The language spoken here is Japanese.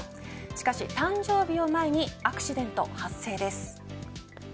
しかし、誕生日を前にアクシデント発生です。